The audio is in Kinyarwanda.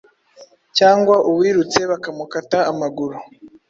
cg uwirutse bakamukata amaguru!